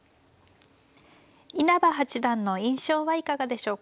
稲葉八段の印象はいかがでしょうか。